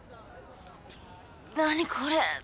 何これ。